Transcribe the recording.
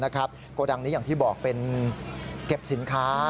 โกดังนี้อย่างที่บอกเป็นเก็บสินค้า